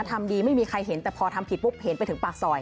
ทำดีไม่มีใครเห็นแต่พอทำผิดปุ๊บเห็นไปถึงปากซอย